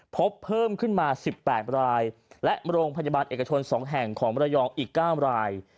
พบเพิ่มขึ้นมา๑๘รายและโรงพยาบาลเอกชน๒แห่งของมรยองอีก๙ราย